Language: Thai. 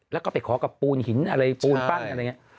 แล้วก็ไปขอกับปูนหินอะไรปูนปั้นอะไรอย่างนี้